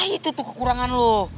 itu tuh kekurangan lo